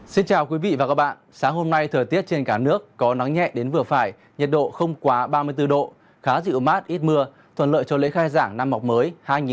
xin chào quý vị và các bạn sáng hôm nay thời tiết trên cả nước có nắng nhẹ đến vừa phải nhiệt độ không quá ba mươi bốn độ khá dịu mát ít mưa thuận lợi cho lễ khai giảng năm học mới hai nghìn hai mươi hai nghìn hai mươi bốn